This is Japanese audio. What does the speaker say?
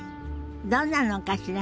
どんなのかしらね。